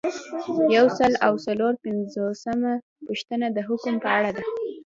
یو سل او څلور پنځوسمه پوښتنه د حکم په اړه ده.